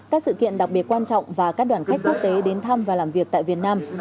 các sự kiện đặc biệt quan trọng và các đoàn khách quốc tế đến thăm và làm việc tại việt nam